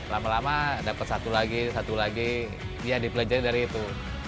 lama lama dapat satu lagi satu lagi ya dipelajari dari itu